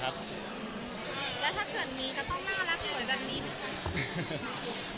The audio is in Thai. หน้ารักสวยแบบนี้ค่ะ